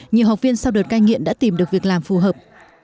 nhiều học viên sau đợt cai nghiện đã tìm được việc làm phù hợp